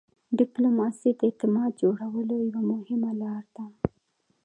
ډيپلوماسي د اعتماد جوړولو یوه مهمه لار ده.